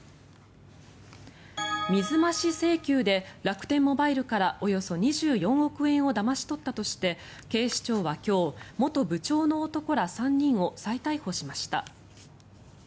水増し請求で楽天モバイルからおよそ２４億円をだまし取ったとして警視庁は今日元部長の男ら３人を再逮捕しました。